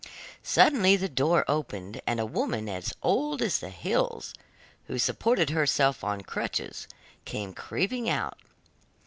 Suddenly the door opened, and a woman as old as the hills, who supported herself on crutches, came creeping out.